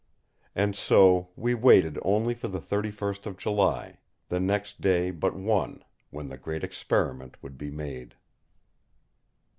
And so we waited only for the 31st of July, the next day but one, when the Great Experiment would be made.